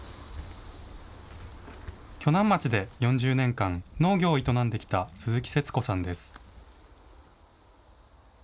鋸南町で４０年間農業を営んできた鈴木せつ子さんです。